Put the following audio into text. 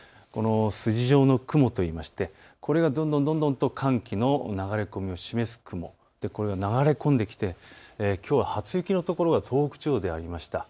筋状の雲といいまして、これがどんどんと寒気の流れ込みを示す雲、これが流れ込んできてきょうは初雪の所が東北地方でありました。